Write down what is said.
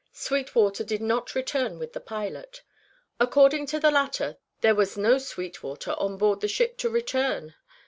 Sweetwater did not return with the pilot. According to the latter there was no Sweetwater on board the ship to return.